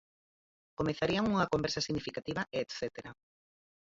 Comezarían unha conversa significativa e etcétera.